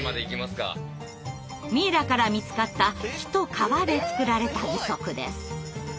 ミイラから見つかった木と皮で作られた義足です。